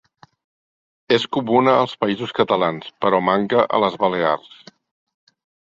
És comuna als Països Catalans, però manca a les Balears.